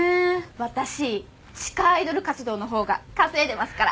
私地下アイドル活動のほうが稼いでいますから。